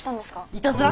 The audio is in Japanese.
いたずら？